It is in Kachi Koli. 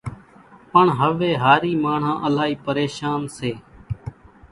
پڻ هويَ هارِي ماڻۿان الائِي پريشانَ سي۔